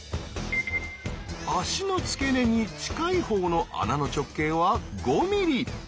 足の付け根に近いほうの穴の直径は５ｍｍ。